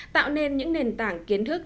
tạo nên những nền tảng kiến thức